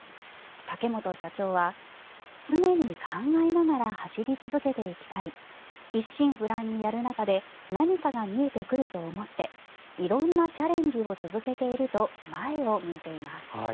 竹本社長は、常に考えながら走り続けていきたい一心不乱にやる中で何かが見えてくると思って色んなチャレンジを続けていると前を向いています。